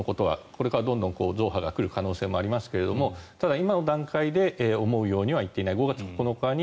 これからどんどん増派が来る可能性もありますがただ、今の段階で全然うまくいっていない。